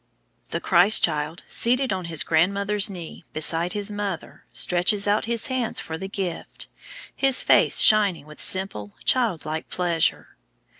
The Christ child, seated on his grandmother's knee, beside his mother, stretches out his hands for the gift, his face shining with simple, child like pleasure.